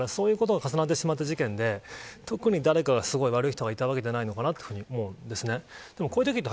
だから、そういうことが重なってしまった事件で特に誰か悪い人がいたわけではないのかなと思うんですね。